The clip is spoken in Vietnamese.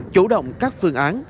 chủ động các phương án